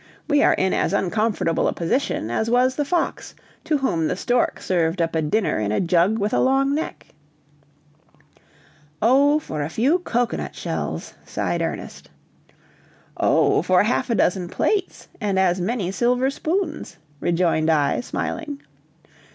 We are in as uncomfortable a position as was the fox to whom the stork served up a dinner in a jug with a long neck." "Oh, for a few cocoanut shells!" sighed Ernest. "Oh, for half a dozen plates and as many silver spoons!" rejoined I, smiling.